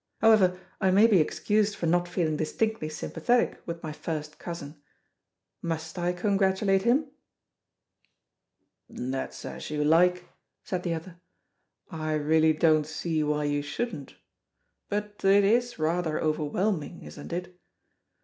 "However, I may be excused for not feeling distinctly sympathetic with my first cousin. Must I congratulate him?" "That's as you like," said the other. "I really don't see why you shouldn't. But it is rather overwhelming, isn't it?